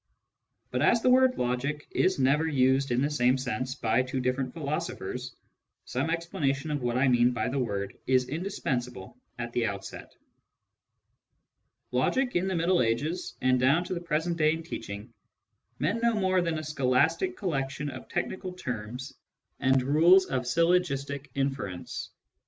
But as the word " logic " is never used in the same sense by two different philosophers, some explanation of what I mean by the word is indispensable at the outset. Logic, in the Middle Ages, and down to the present day in teaching, meant no more than a scholastic collection of technical terms and rules of syllogistic inference.